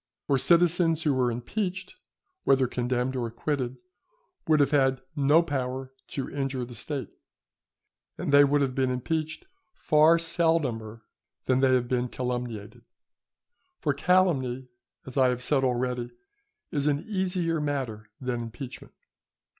For citizens who were impeached, whether condemned or acquitted, would have had no power to injure the State; and they would have been impeached far seldomer than they have been calumniated; for calumny, as I have said already, is an easier matter than impeachment.